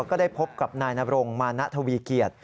ก็ได้พบกับนายนบรงมานะทวีเกียรติ